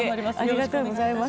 ありがとうございます。